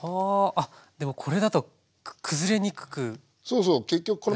あっでもこれだと崩れにくくなりますね。